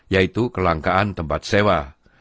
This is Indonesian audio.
yaitu kelangkaan tempat sewa